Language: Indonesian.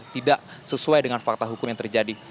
tidak sesuai dengan fakta hukum yang terjadi